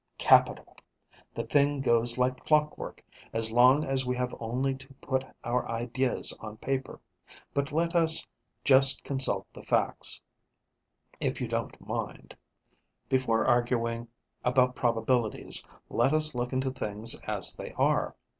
Capital! The thing goes like clockwork, as long as we have only to put our ideas on paper. But let us just consult the facts, if you don't mind; before arguing about probabilities, let us look into things as they are.